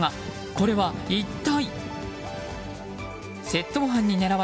これは一体？